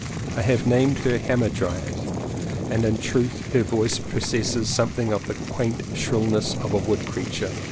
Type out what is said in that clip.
I have named her the Hamadryad, and in truth her voice possesses something of the quaint shrillness of a wood creature.